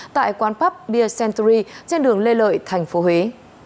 tại quán pub beer century trên đường lê lợi tp huế